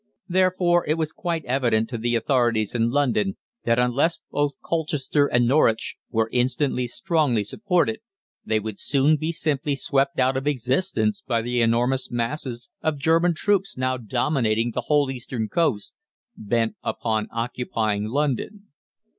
Therefore it was quite evident to the authorities in London that unless both Colchester and Norwich were instantly strongly supported, they would soon be simply swept out of existence by the enormous masses of German troops now dominating the whole eastern coast, bent upon occupying London.